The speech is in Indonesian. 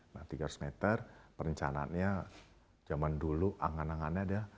nah tiga ratus meter perencanaannya zaman dulu angan angannya dia